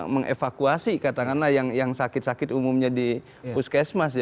mengevakuasi katakanlah yang sakit sakit umumnya di puskesmas